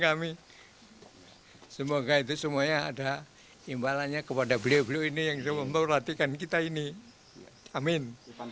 kami semoga itu semuanya ada imbalannya kepada beliau beliau ini yang memperhatikan kita ini amin